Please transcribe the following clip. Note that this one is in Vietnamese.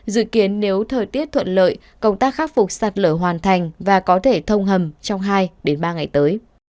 dự kiến nếu thời tiết thuận lợi công tác khắc phục sạt lở hoàn thành và có thể thông hầm trong hai ba ngày tới